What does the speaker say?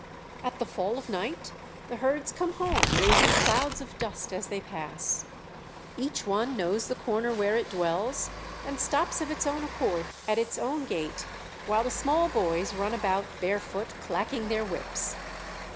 "At the fall of night the herds come home raising clouds of dust as they pass. Each one knows the corner where it dwells, and stops of its own accord at its own gate, while the small boys run about bare foot clacking their whips.